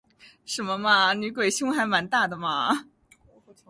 什么嘛，女鬼胸还蛮大的嘛